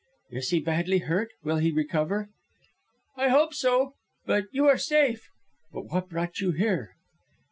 "Is he badly hurt? Will he recover?" "I hope so. But you are safe." "But what brought you here?"